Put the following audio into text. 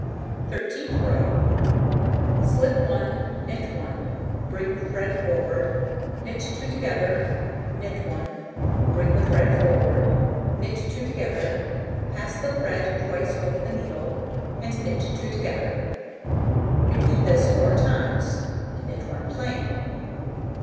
Thirteenth row: Slip 1, knit 1, bring the thread forward, knit 2 together, knit 1, bring the thread forward, knit 2 together, pass the thread twice over the needle, and knit 2 together. Repeat this 4 times. Knit 1 plain.